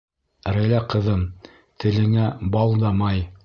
Рәйлә ҡыҙым, телеңә бал да май!